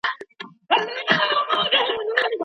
ایا لوی صادروونکي تور ممیز پلوري؟